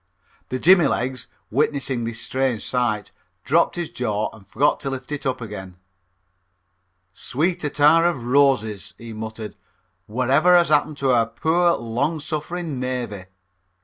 The Jimmy legs, witnessing this strange sight, dropped his jaw and forgot to lift it up again. "Sweet attar of roses," he muttered. "What ever has happened to our poor, long suffering navy?"